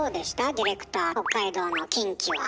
ディレクター北海道のキンキは。